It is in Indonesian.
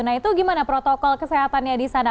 nah itu gimana protokol kesehatannya di sana